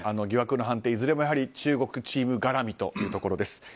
疑惑の判定、いずれも中国チーム絡みというところです。